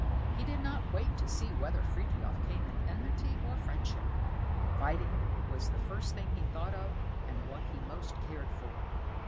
He did not wait to see whether Frithiof came in enmity or friendship. Fighting was the first thing he thought of, and what he most cared for.